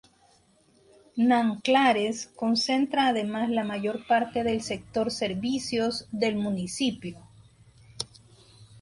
Nanclares concentra además la mayor parte del sector servicios del municipio.